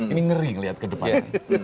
ini ngeri ngelihat ke depan